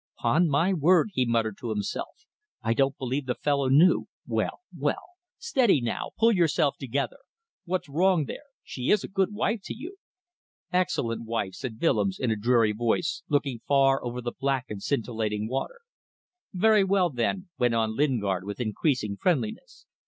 "'Pon my word," he muttered to himself, "I don't believe the fellow knew. Well! well! Steady now. Pull yourself together. What's wrong there. She is a good wife to you." "Excellent wife," said Willems, in a dreary voice, looking far over the black and scintillating water. "Very well then," went on Lingard, with increasing friendliness.